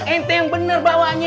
ente yang bener bawanya